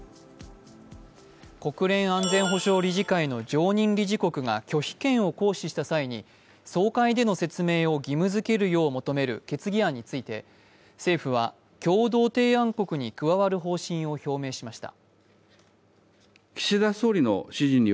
国連安全保障理事会の常任理事国が拒否権を行使した際に総会での説明を義務付けるよう求める決議案について政府は共同提案国に加わる方針を表明しました。